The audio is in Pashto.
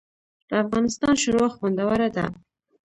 د افغانستان شوروا خوندوره ده